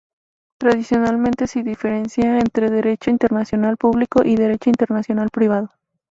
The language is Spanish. Tradicionalmente, se diferencia entre derecho internacional público y derecho internacional privado.